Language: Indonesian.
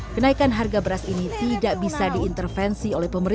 kenaikan harga beras ini tidak bisa diintervensi